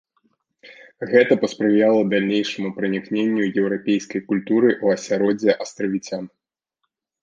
Гэта паспрыяла далейшаму пранікненню еўрапейскай культуры ў асяроддзе астравіцян.